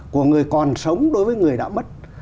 của người còn sống đối với người đã mất